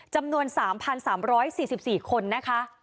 จำนวน๓๓๔๔คนนะคะ